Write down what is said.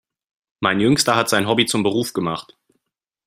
Mein Jüngster hat sein Hobby zum Beruf gemacht.